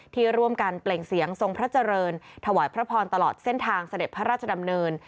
ที่ร่วมกันเปล่งเสียงทรงพระเจริญถวายพระพรตลอดเส้นทางเสด็จพระราชดำเนิน